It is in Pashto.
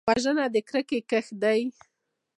وژنه د کرکې کښت دی